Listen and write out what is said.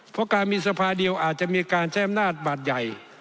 เพราะการมีสภาเดียวอาจจะมีการใช้อำนาจบาดใหญ่